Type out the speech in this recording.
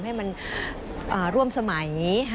ให้มันร่วมสมัย